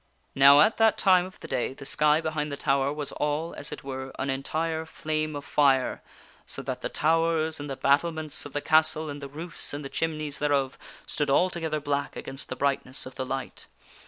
Now at that time of the day the sky behind the tower was all, as it were, an entire flame of fire, so that the towers and the bat tlements of the castle and the roofs and the chimneys thereof stood alto gether black against the brightness of the light.